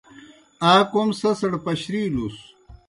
آ کوْم سیْسڑ پشرِیلُس۔